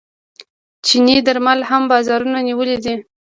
چیني درمل هم بازارونه نیولي دي.